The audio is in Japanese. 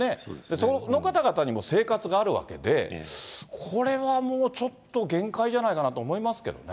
その方々にも生活があるわけで、これはもうちょっと限界じゃないかなと思いますけどね。